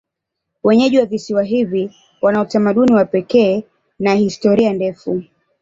Wenyeji wa visiwa hivi wana utamaduni wa pekee na historia ndefu.